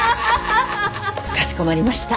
かしこまりました。